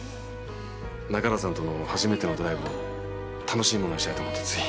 中原さんとの初めてのドライブを楽しいものにしたいと思うとつい。